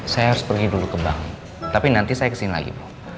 saya harus pergi dulu ke bank tapi nanti saya kesini lagi